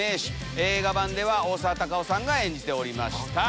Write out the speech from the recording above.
映画版では大沢たかおさんが演じておりました。